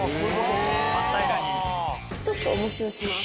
ちょっと重しをします。